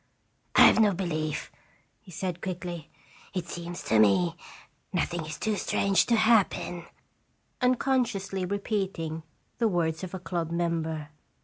"I have no belief," he said, quickly. "It seems to me nothing is too strange to happen," unconsciously repeating the words of a club member.